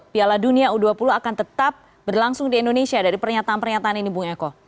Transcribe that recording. piala dunia u dua puluh akan tetap berlangsung di indonesia dari pernyataan pernyataan ini bung eko